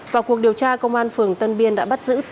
vào cuộc điều tra công an phường tân biên đã bắt giữ